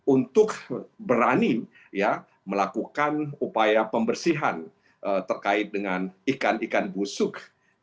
untuk berani melakukan upaya pembersihan terkait dengan ikan ikan busuk